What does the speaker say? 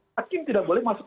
hakim tidak boleh masuk ke hukum